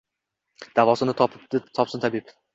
Davosini topsin tabib.